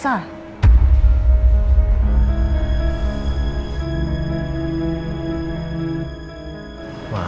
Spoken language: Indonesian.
suami dari anaknya